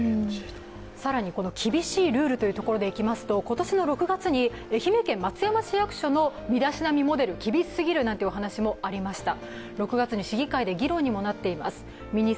更に厳しいルールというところでいきますと、今年６月に愛媛県松山市役所の身だしなみモデル厳しすぎるなんてお話もありました。